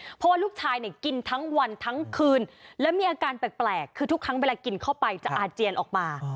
เพราะว่าลูกชายเนี่ยกินทั้งวันทั้งคืนแล้วมีอาการแปลกคือทุกครั้งเวลากินเข้าไปจะอาเจียนออกมา